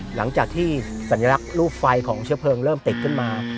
หลังจากที่สัญลักษณ์รูปไฟของเชื้อเพลิงเริ่มติดขึ้นมา